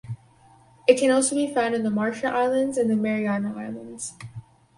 It can also be found on the Marshall Islands and the Mariana Islands.